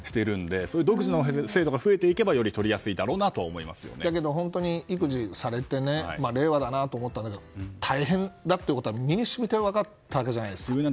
そういう独自の制度が増えていけばより取りやすいだろうなとだけど、本当に育児されて令和だなと思ったんだけど大変だってことは身に染みて分かったわけじゃないですか。